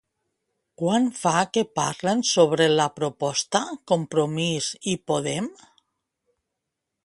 Quant fa que parlen sobre la proposta Compromís i Podem?